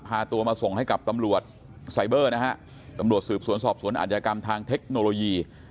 พาตัวมาส่งให้กับตำรวจไซเบอร์นะฮะตำรวจสืบสวนสอบสวนอาจยากรรมทางเทคโนโลยี